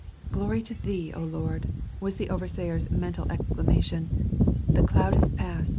259 " Glory to thee, oh Lord," was the orerseer^s mental exclama tion, " the cloud has past."